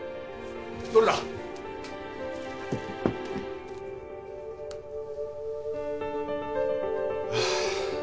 どれだ？はあ。